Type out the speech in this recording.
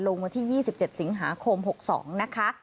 วันที่๒๗สิงหาคม๖๒นะคะ